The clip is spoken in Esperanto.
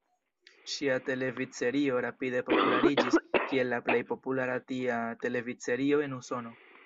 Ŝia televidserio rapide populariĝis kiel la plej populara tia televidserio en Usono.